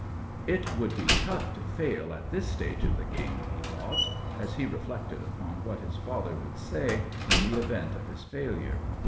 "It would be tough to fail at this stage of the game," he thought, as he reflected upon what his father would say in the event of his failure.